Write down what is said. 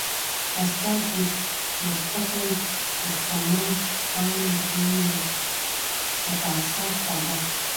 پسته ، پستکۍ ، پښتنه ، پاڼه ، پانگه ، پتاسه، خوږه،